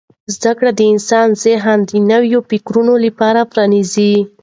زده کړه د انسان ذهن د نویو فکرونو لپاره پرانیزي.